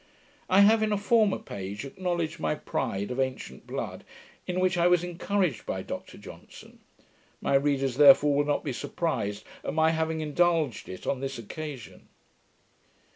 I have, in a former page, acknowledged my pride of ancient blood, in which I was encouraged by Dr Johnson: my readers therefore will not be surprised at my having indulged it on this occasion.